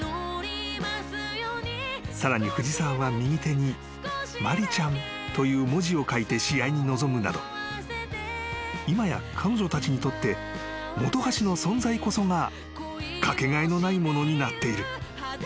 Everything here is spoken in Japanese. ［さらに藤澤は右手に「麻里ちゃん」という文字を書いて試合に臨むなど今や彼女たちにとって本橋の存在こそがかけがえのないものになっている］